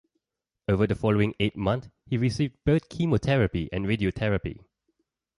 Over the following eight month he received both chemotherapy and radiotherapy.